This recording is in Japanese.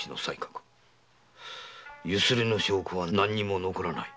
強請の証拠は何も残らない。